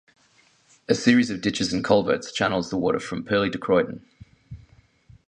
A series of ditches and culverts channels the water from Purley to Croydon.